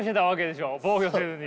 防御せずに。